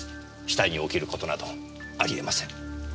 死体に起きることなどありえません。